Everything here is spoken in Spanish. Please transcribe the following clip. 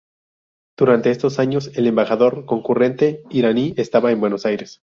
Durante estos años, el embajador concurrente iraní estaba en Buenos Aires.